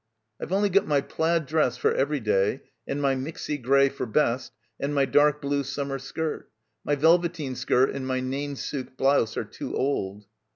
"I've only got my plaid dress for every day and my mixy grey for best and my dark blue summer skirt. My velveteen skirt and my nain sook blouse are too old."